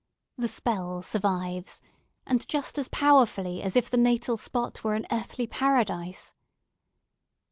The spell survives, and just as powerfully as if the natal spot were an earthly paradise.